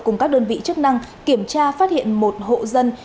cùng các đơn vị chức năng kiểm tra phát hiện một hộ dân